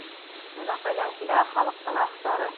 Бына ҡайҙан килә халыҡтың аһ-зары.